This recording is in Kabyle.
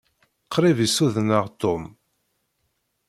Qṛib i ssudneɣ Tom.